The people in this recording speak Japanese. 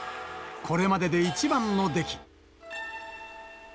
これまでで一番の出来。